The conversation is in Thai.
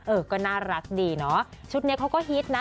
เออก็น่ารักดีเนาะชุดนี้เขาก็ฮิตนะ